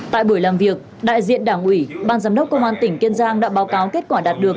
tại buổi làm việc đại diện đảng ủy ban giám đốc công an tỉnh kiên giang đã báo cáo kết quả đạt được